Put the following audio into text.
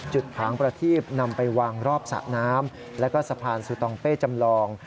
ถางประทีบนำไปวางรอบสระน้ำและก็สะพานสุตองเป้จำลอง